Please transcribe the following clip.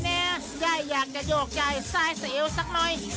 แม่แน่แย่อยากจะโยกใจทรายเสียวสักหน่อย